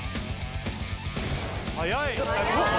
早い。